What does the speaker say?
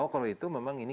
kalau itu memang ini